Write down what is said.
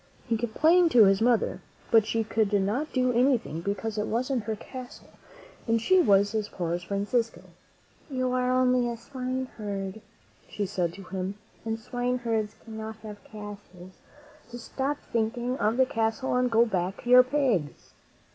He complained to his mother, but she could v^ 49 as; ii^: not do anything, because it wasn't her castle, and she was as poor as Francisco. "You are only a swineherd," she said to him, "and swine herds cannot have castles; so stop thinking of the castle and go back to your pigs."